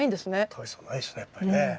大差はないですねやっぱりね。